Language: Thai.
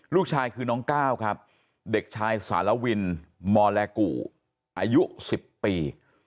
ลูกชายคือน้องก้าวครับเด็กชายสารวินมอแลกู่อายุ๑๐ปี